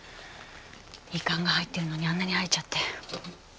胃管が入ってるのにあんなに吐いちゃって。